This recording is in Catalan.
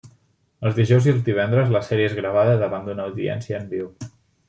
Els dijous i divendres, la sèrie és gravada davant d'una audiència en viu.